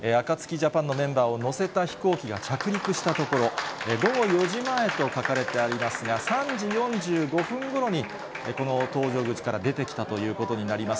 ジャパンのメンバーを乗せた飛行機が着陸したところ、午後４時前と書かれてありますが、３時４５分ごろに、この搭乗口から出てきたということになります。